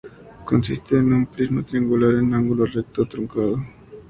Consiste en un prisma triangular en ángulo recto truncado.